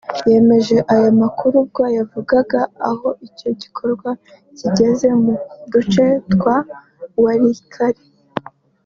yemeje aya makuru ubwo yavugaga aho icyo gikorwa kigeze mu duce twa Walikale